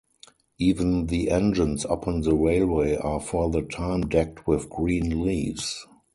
Even the engines upon the railway are for the time decked with green leaves.